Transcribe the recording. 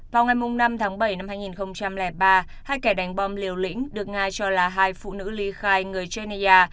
vào ngày năm tháng bảy năm hai nghìn ba hai kẻ đánh bom liều lĩnh được nga cho là hai phụ nữ ly khai người geneya